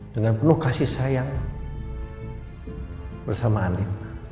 dengan penuh kasih sayang bersama andin